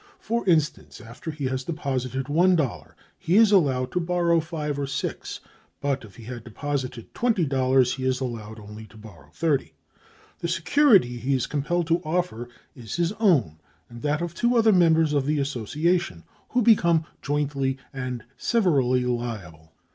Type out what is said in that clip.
For instance, after he has deposited one dollar, he is allowed to borrow five or six; but, if he had deposited twenty dollars, he is allowed only to borrow thirty. The security he is compelled to offer is his own and that of two other members of the association, who become jointly and severally liable.